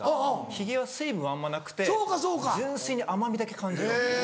ヒゲは水分あんまなくて純粋に甘みだけ感じるんですよ。